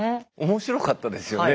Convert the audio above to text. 面白かったですよね？